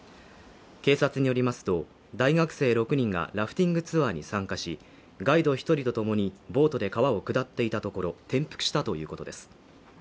警察によりますと、大学生６人が、ラフティングツアーに参加し、ガイド１人ともに、ボートで川を下っていたところ、転覆したということです。